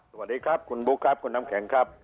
สวัสดีครับคุณบุ๊คครับคุณน้ำแข็งครับ